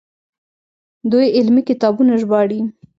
دوی علمي کتابونه ژباړي.